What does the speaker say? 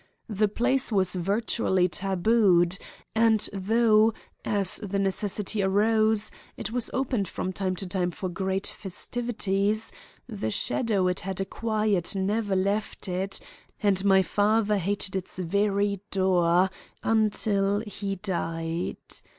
The place was virtually tabooed, and though, as the necessity arose, it was opened from time to time for great festivities, the shadow it had acquired never left it and my father hated its very door until he died.